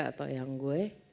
atau yang gue